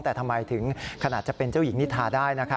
แต่ทำไมถึงขนาดจะเป็นเจ้าหญิงนิทาได้